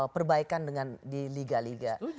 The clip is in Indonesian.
perbaikan dengan di liga liga